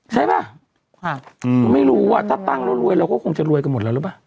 ใช่ป่ะไม่รู้ว่าถ้าปั๊มร่วงรวยเราก็คงจะรวยกันหมดแล้วรู้ป่ะ